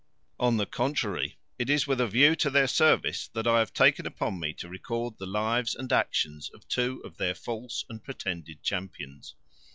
On the contrary, it is with a view to their service, that I have taken upon me to record the lives and actions of two of their false and pretended champions.